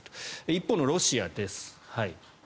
一方のロシアです。